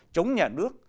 chống nhà nước